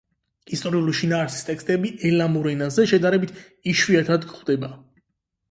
ისტორიული შინაარსის ტექსტები ელამურ ენაზე შედარებით იშვიათად გვხვდება.